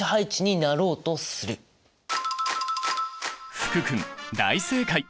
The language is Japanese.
福君大正解！